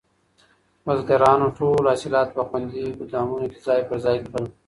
بزګرانو ټول حاصلات په خوندي ګودامونو کې ځای پر ځای کړل.